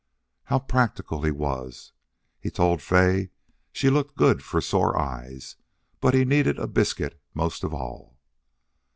How practical he was! He told Fay she looked good for sore eyes, but he needed a biscuit most of all.